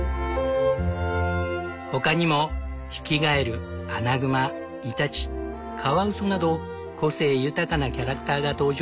他にもヒキガエルアナグマイタチカワウソなど個性豊かなキャラクターが登場。